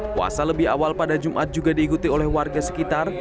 puasa lebih awal pada jumat juga diikuti oleh warga sekitar